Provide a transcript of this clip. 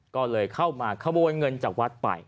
ก็เลยเข้ามาขโมยเงินจากวัดไป